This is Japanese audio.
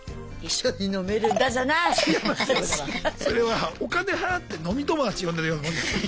それはお金払って飲み友達呼んでるようなもんです。